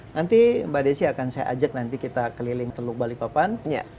nanti mbak desi akan saya ajak nanti kita keliling teluk balikpapan